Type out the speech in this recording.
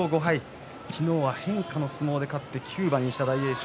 昨日は変化で勝って９番にした大栄翔。